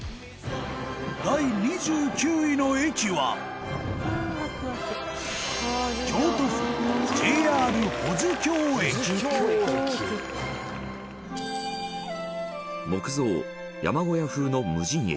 第２９位の駅は木造、山小屋風の無人駅